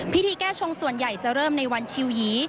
พิธีแก้ชงส่วนใหญ่จะเริ่มในวันชิวยี